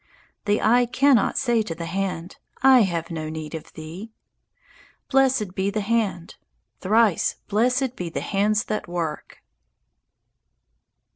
The eye cannot say to the hand, "I have no need of thee." Blessed be the hand! Thrice blessed be the hands that work!